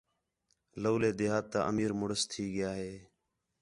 لَولے دیہات تا امیر مُݨس تھی ڳِیا ہِے